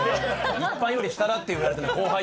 一般より下だって言われてるんだよ。